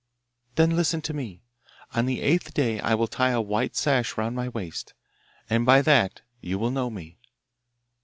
'Then listen to me. On the eighth day I will tie a white sash round my waist, and by that you will know me.